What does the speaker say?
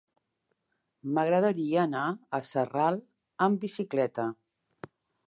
M'agradaria anar a Sarral amb bicicleta.